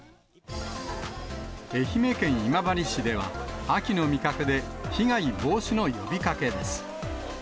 愛媛県今治市では、秋の味覚で被害防止の呼びかけです。